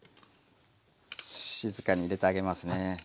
静かに入れてあげますね。